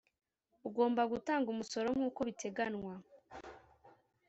ugomba gutanga umusoro nkuko biteganywa